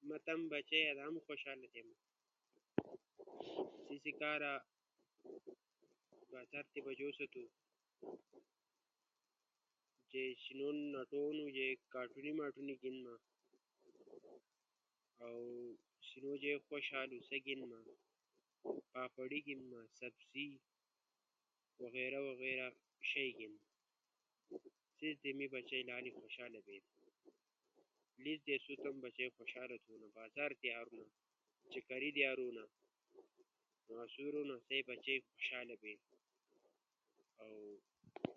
اسو تمو بچئی ادامو خوشحالہ تھنہ بازار تھی بجو نا سینو تی جھئ کٹونی یا گوڈائ وغیرہ جھئ نکٹو نو ثمان گی نونہ او خوشحالہ تھنہ